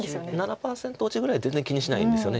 ７％落ちぐらい全然気にしないんですよね